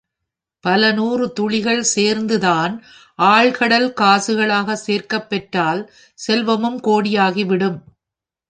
பலநூறு துளிகள் சேர்ந்துதான் ஆழ்கடல் காசுகளாகச் சேர்க்கப் பெற்றால் செல்வமும் கோடி யாகிவிடும்.